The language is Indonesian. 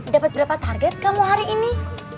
dapat berapa target kamu hari ini